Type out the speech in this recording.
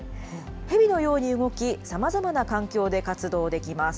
ヘビのように動き、さまざまな環境で活動できます。